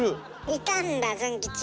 いたんだズン吉。